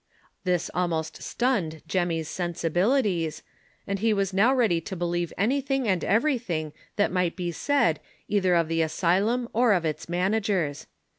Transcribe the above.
This almost stunned Jemmy's sensibilities, and he was now ready to believe anything and everytliing tliat might be said either of the asylum or of its managers.